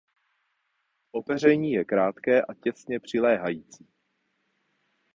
Opeření je krátké a těsně přiléhající.